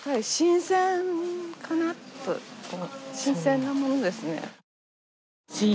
新鮮なものですね。